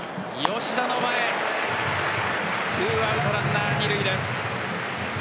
吉田の前２アウトランナー二塁です。